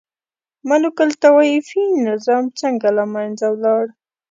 ملوک الطوایفي نظام څنګه له منځه ولاړ؟